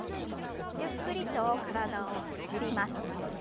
ゆっくりと体をねじります。